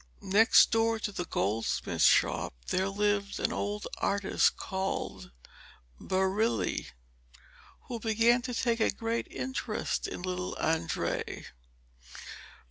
Next door to the goldsmith's shop there lived an old artist called Barile, who began to take a great interest in little Andrea.